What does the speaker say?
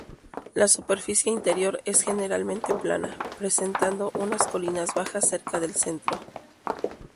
La superficie interior es generalmente plana, presentando unas colinas bajas cerca del centro.